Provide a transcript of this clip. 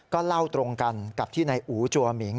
ก็เล่าตรงกันกับที่นายอู๋จัวหมิง